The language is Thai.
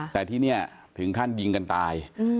แต่ที่นี่ถึงขั้นยิงกันตาย